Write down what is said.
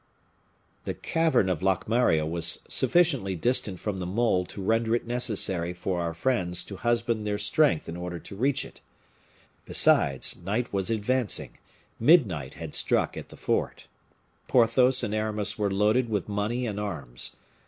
The cavern of Locmaria was sufficiently distant from the mole to render it necessary for our friends to husband their strength in order to reach it. Besides, night was advancing; midnight had struck at the fort. Porthos and Aramis were loaded with money and arms.